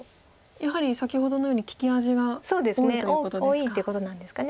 やはり先ほどのように利き味が多いということですか。